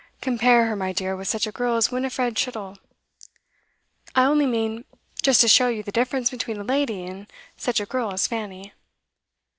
Compare her, my dear, with such a girl as Winifred Chittle. I only mean just to show you the difference between a lady and such a girl as Fanny.